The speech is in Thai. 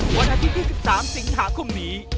วันอาทิตย์ที่๑๓สิงหาคมนี้